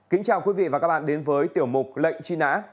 kính chào quý vị và các bạn đến với tiểu mục lệnh truy nã